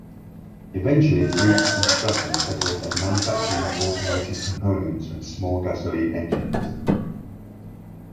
Eventually Briggs and Stratton settled on manufacturing automotive components and small gasoline engines.